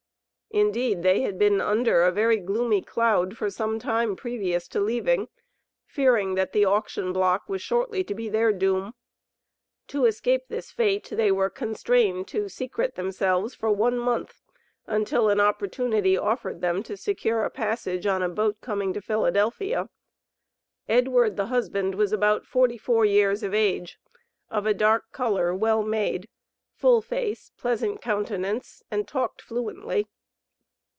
Indeed they had been under a very gloomy cloud for some time previous to leaving, fearing that the auction block was shortly to be their doom. To escape this fate, they were constrained to "secrete themselves for one month," until an opportunity offered them to secure a passage on a boat coming to Philadelphia. Edward (the husband), was about forty four years of age, of a dark color, well made, full face, pleasant countenance, and talked fluently.